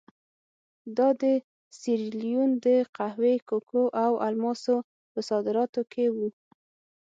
دا د سیریلیون د قهوې، کوکو او الماسو په صادراتو کې وو.